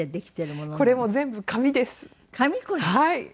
はい。